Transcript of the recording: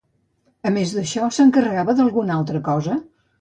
A més d'això, s'encarregava d'alguna altra cosa?